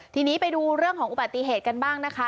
ทีนี้ไปดูเรื่องของอุบัติเหตุกันบ้างนะคะ